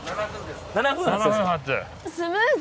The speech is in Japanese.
スムーズ！